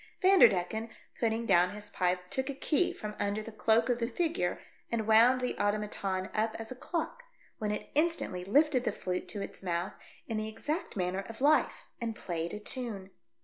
Vanderdecken, putting down his pipe, took a key from under the cloak of the figure and wound the automaton up as a clock, when it instantly lifted the flute to its mouth, in the exact manner of life, and played a tune.